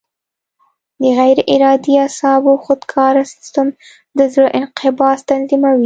د غیر ارادي اعصابو خودکاره سیستم د زړه انقباض تنظیموي.